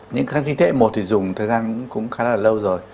những kháng sinh thế hệ một thì dùng thời gian cũng khá là lâu rồi